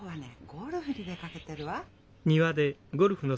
ゴルフに出かけてるわ。